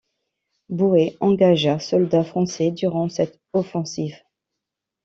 Bouët engagea soldats français durant cette offensive.